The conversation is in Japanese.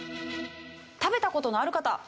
食べた事のある方？